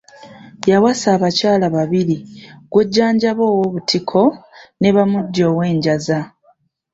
Yawasa abakyala babiri, Gwojjanjaba ow'Obutiko ne Bamugya ow'Enjaza.